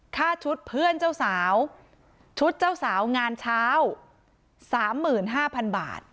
ค่าชุดเพื่อนเจ้าสาวชุดเจ้าสาวงานเช้าสามหมื่นห้าพันบาท